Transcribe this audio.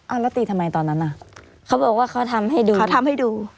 อ้าวแล้วตีทำไมตอนนั้นน่ะเขาบอกว่าเขาทำให้ดู